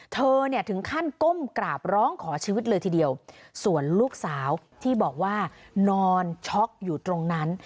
เธอเนี่ยถึงขั้นก้มกราบร้องขอชีวิตเลยทีเดียวส่วนลูกสาวที่บอกว่านอนช็อกอยู่ตรงนั้น